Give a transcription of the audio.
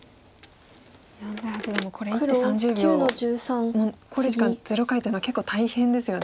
安斎八段もこれ１手３０秒考慮時間０回というのは結構大変ですよね。